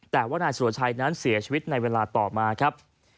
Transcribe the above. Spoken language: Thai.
แต่ว่านายสุรชัยนั้นเสียชีวิตในเวลาต่อมาครับ